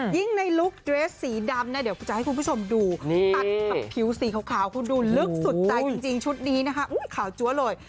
ในลุคเดรสสีดำนะเดี๋ยวคุณจะให้คุณผู้ชมดูตัดกับผิวสีขาวคุณดูลึกสุดใจจริงชุดนี้นะคะขาวจั๊วเลย